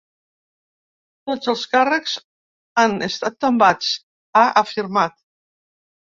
Tots els càrrecs han estat tombats, ha afirmat.